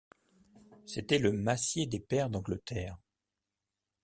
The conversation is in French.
C’était le massier des pairs d’Angleterre.